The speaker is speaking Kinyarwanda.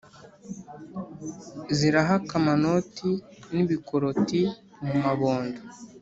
Zirahaka amanoti n'ibikoroti mu mabondo,